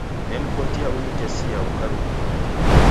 Nemkotia unitesie ukarumiria.